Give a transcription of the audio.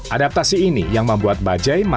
adaptasi ini yang membuat bajaj mampu